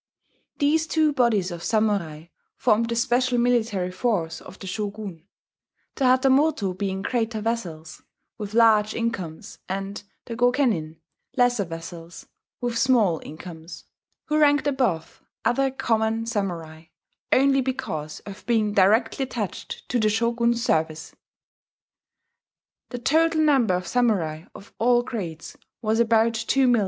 These two bodies of samurai formed the special military force of the shogun; the hatamoto being greater vassals, with large incomes; and the gokenin lesser vassals, with small incomes, who ranked above other common samurai only because of being directly attached to the shogun's service.... The total number of samurai of all grades was about 2,000,000.